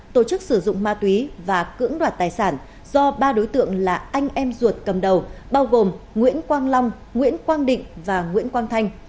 tổ chức sử dụng ma túy và cưỡng đoạt tài sản do ba đối tượng là anh em ruột cầm đầu bao gồm nguyễn quang long nguyễn quang định và nguyễn quang thanh